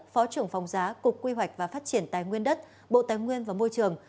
phó trưởng phòng giá cục quy hoạch và phát triển tài nguyên đất bộ tài nguyên và môi trường